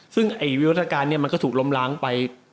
ซึ่งวิวัตการณ์มันก็ถูกล้มล้างไป